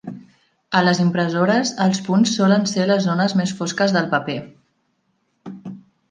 A les impressores, els punts solen ser les zones més fosques del paper.